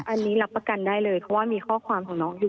อันนี้รับประกันได้เลยเพราะว่ามีข้อความของน้องอยู่